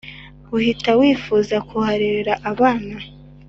uhita wifuza kuharerera abana